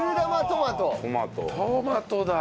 トマトだ！